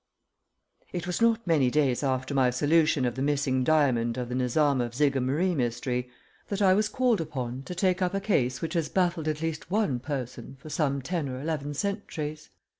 It was not many days after my solution of the Missing Diamond of the Nizam of Jigamaree Mystery that I was called upon to take up a case which has baffled at least one person for some ten or eleven centuries.